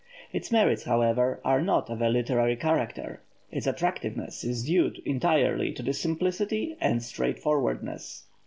Its merits, however, are not of a literary character; its attractiveness is due entirely to its simplicity and straightforwardness.